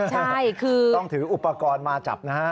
ใช่คือต้องถืออุปกรณ์มาจับนะฮะ